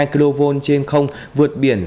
hai mươi hai kv trên không vượt biển